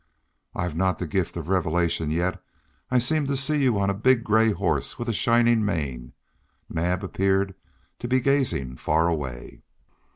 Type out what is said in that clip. "I've not the gift of revelation, yet I seem to see you on a big gray horse with a shining mane." Naab appeared to be gazing far away.